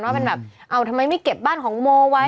ว่าเป็นแบบเอาทำไมไม่เก็บบ้านของโมไว้